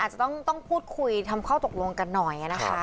อาจจะต้องพูดคุยทำข้อตกลงกันหน่อยนะคะ